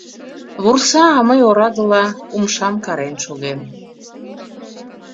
Вурса, а мый орадыла умшам карен шогем.